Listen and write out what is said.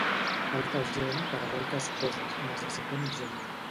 Falta gent per a moltes coses, necessitem gent.